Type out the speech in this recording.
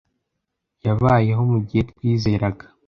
Yabayeho mugihe twizeraga.